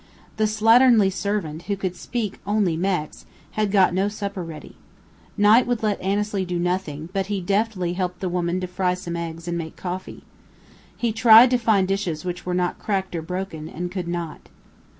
The slatternly servant, who could speak only "Mex," had got no supper ready. Knight would let Annesley do nothing, but he deftly helped the woman to fry some eggs and make coffee. He tried to find dishes which were not cracked or broken, and could not.